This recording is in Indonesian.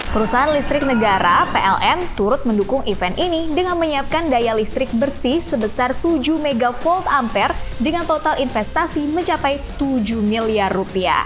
perusahaan listrik negara pln turut mendukung event ini dengan menyiapkan daya listrik bersih sebesar tujuh mv ampere dengan total investasi mencapai rp tujuh miliar rupiah